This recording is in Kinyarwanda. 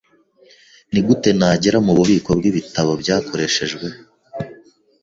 Nigute nagera mububiko bwibitabo byakoreshejwe?